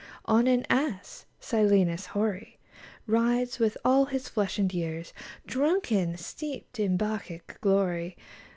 On an ass Silenus hoary Rides, with all his flesh and years, Drunken, steeped in Bacchic glory.